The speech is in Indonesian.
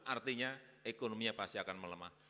artinya ekonominya pasti akan melemah